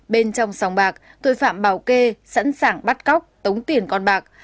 bên trong sòng bạc tội phạm bảo kê sẵn sàng bắt cóc tống tiền con bạc